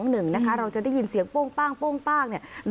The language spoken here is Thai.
๔๓๒๑นะคะเราจะได้ยินเสียงป้งป้างป้งป้างเนี่ย